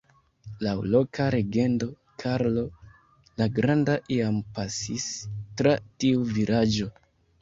Laŭ loka legendo, Karlo la Granda iam pasis tra tiu vilaĝo.